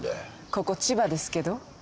ここ千葉ですけど？